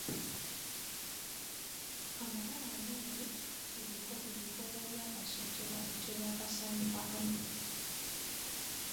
Amabala ameeru ku bikoola bya kasooli galeeteddwa akasaanyi ka armyworm.